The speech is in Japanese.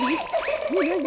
なに？